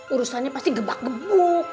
urusannya pasti gebak gebuk